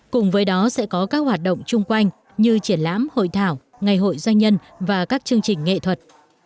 cùng với đó sẽ có các hoạt động chung quanh như triển lãm hội thảo ngày hội doanh nhân và các chương trình nghệ thuật